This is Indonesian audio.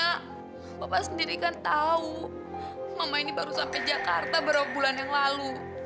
pokoknya papa sendiri kan tau mama ini baru sampe jakarta berapa bulan yang lalu